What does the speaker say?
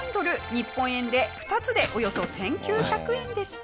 日本円で２つでおよそ１９００円でした。